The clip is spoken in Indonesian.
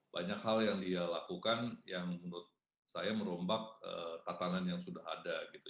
banyak hal yang dia lakukan yang menurut saya merombak tatanan yang sudah ada gitu